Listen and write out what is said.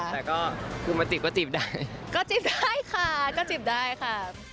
แต่ก็คือมาจีบก็จีบได้ก็จีบได้ค่ะก็จีบได้ค่ะ